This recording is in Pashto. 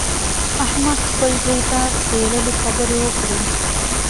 احمد خپل زوی ته څیرلې خبرې وکړې.